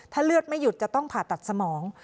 ถ้าเลือดไม่หยุดจะต้องผ่าตัดสมอง